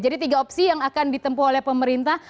tiga opsi yang akan ditempuh oleh pemerintah